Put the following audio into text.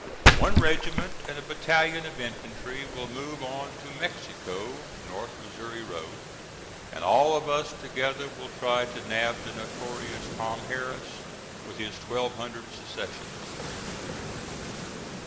One regiment and a battalion of infantry will move on to Mexico, North Missouri road, and all of us together will try to nab the notorious Tom Harris with his 1200 secessionists.